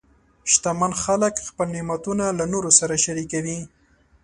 شتمن خلک خپل نعمتونه له نورو سره شریکوي.